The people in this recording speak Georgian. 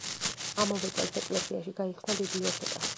ამავე წელს ეკლესიაში გაიხსნა ბიბლიოთეკა.